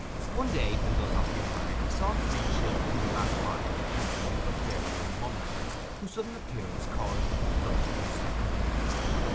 One day when thus occupied he saw three children pass by in the company of a fair young woman, whose sudden appearance caused him to flush perceptibly.